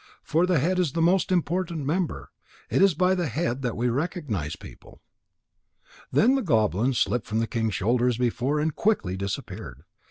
For the head is the most important member. It is by the head that we recognize people." Then the goblin slipped from the king's shoulder as before, and quickly disappeared.